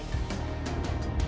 mereka ingin memelihara peraturan ini